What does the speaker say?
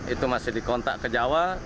itu masih dikontak ke jawa